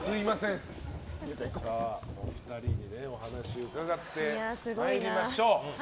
お二人にお話伺ってまいりましょう。